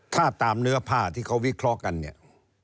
ถ้าตามเนื้อผ้าที่เขาวิเคราะห์กันเนี่ย